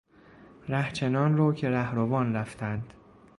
ره چنان رو که رهروان رفتند.